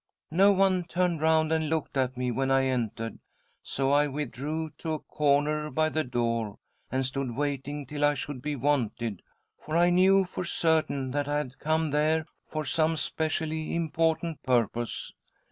"No one turned round and looked at me when I entered, so I withdrew to a corner by the door, and stood waiting till I should be wanted, for I knew, for certain, that I had come there for some • specially important purpose.